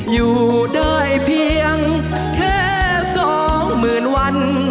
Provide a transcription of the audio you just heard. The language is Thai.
อยู่ได้เพียงแค่สองหมื่นวัน